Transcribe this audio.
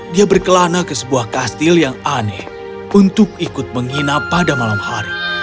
dia berkelana ke sebuah kastil yang aneh untuk ikut menginap pada malam hari